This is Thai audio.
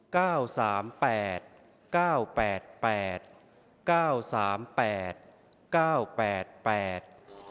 เก้าสามแปดเก้าแปดแปดเก้าสามแปดเก้าแปดแปด